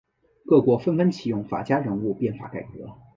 各国纷纷启用法家人物变法改革。